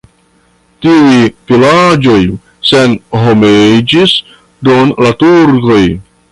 Tiuj vilaĝoj senhomiĝis dum la turkoj.